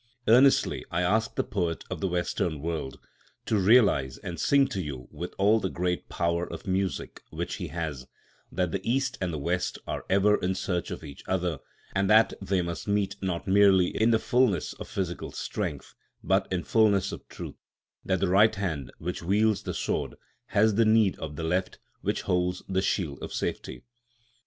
Earnestly I ask the poet of the Western world to realise and sing to you with all the great power of music which he has, that the East and the West are ever in search of each other, and that they must meet not merely in the fulness of physical strength, but in fulness of truth; that the right hand, which wields the sword, has the need of the left, which holds the shield of safety.